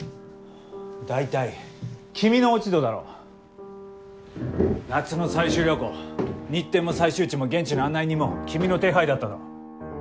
大体君の落ち度だろう！夏の採集旅行日程も採集地も現地の案内人も君の手配だったろう？